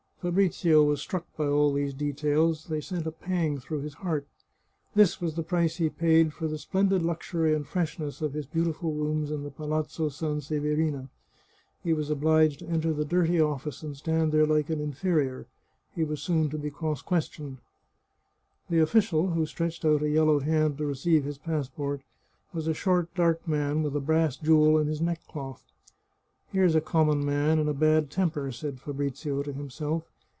Fabrizio was struck by all these details ; they sent a pang through his heart. This was the price he paid for the splen did luxury and freshness of his beautiful rooms in the Palazzo Sanseverina. He was obliged to enter the dirty office and stand there like an inferior. He was soon to be cross questioned. The official who stretched out a yellow hand to receive his passport was a short, dark man, with a brass jewel in his neckcloth. " Here's a common man, in a bad temper," said Fabrizio to himself.